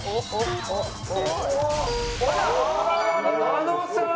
あのさん！